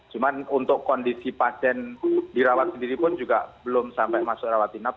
cuma untuk kondisi pasien dirawat sendiri pun juga belum sampai masuk rawat inap